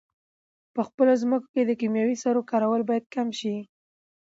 په خپلو مځکو کې د کیمیاوي سرو کارول باید کم شي.